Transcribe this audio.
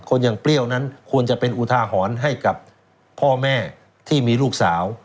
อย่างเปรี้ยวนั้นควรจะเป็นอุทาหรณ์ให้กับพ่อแม่ที่มีลูกสาว